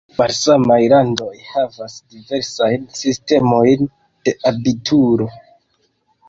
Malsamaj landoj havas diversajn sistemojn de abituro.